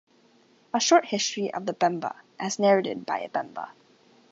"A Short history of the Bemba: As narrated by a Bemba".